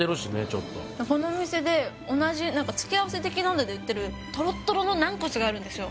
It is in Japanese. ちょっとこの店で同じ付け合わせ的なので売ってるトロトロのなんこつがあるんですよ